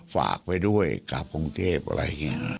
ฝากไปด้วยกลับกรุงเทพฯอะไรแบบนี้